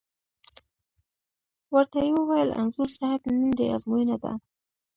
ور ته یې وویل: انځور صاحب نن دې ازموینه ده.